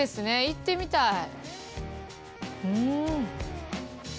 行ってみたい。